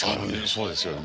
そうですよね。